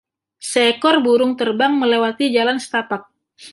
Seekor burung terbang melewati jalan setapak.